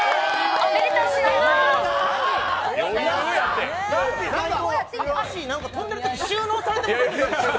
おかしい、なんか跳んでるとき収納されてませんでした！？